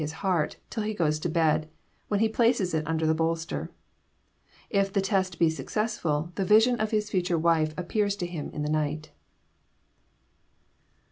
This he puts under his shirt, next his heart, till he goes to bed, when he places it under the bolster. If the test be successful the vision of his future wife appears to him in the night.